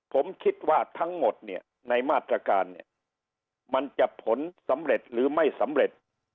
ผมคิดว่าทั้งหมดเนี่ยในมาตรการเนี่ยมันจะผลสำเร็จหรือไม่สำเร็จ